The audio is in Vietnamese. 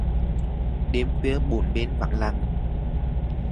Đêm khuya bốn bên vắng lặng